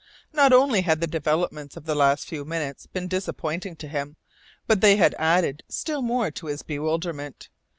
Not only had the developments of the last few minutes been disappointing to him, but they had added still more to his bewilderment.